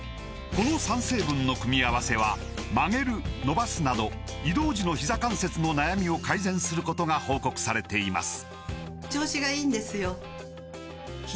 この３成分の組み合わせは曲げる伸ばすなど移動時のひざ関節の悩みを改善することが報告されています